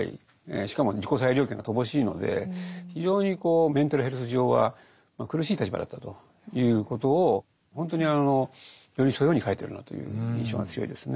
しかも自己裁量権が乏しいので非常にこうメンタルヘルス上は苦しい立場だったということを本当に寄り添うように書いてるなという印象が強いですね。